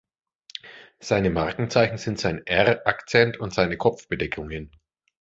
Seine Markenzeichen sind sein er Akzent und seine Kopfbedeckungen.